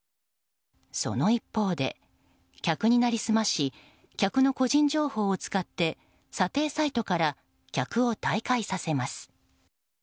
その一方で、客に成り済まし客の個人情報を使って査定サイトから客を退会させます。